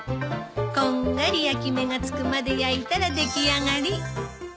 こんがり焼き目がつくまで焼いたら出来上がり。